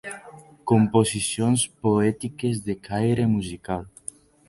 Composicions poètiques de caire musical.